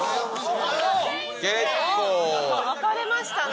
結構。分かれましたね。